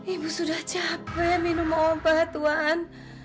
ibu sudah capek minum obat tuhan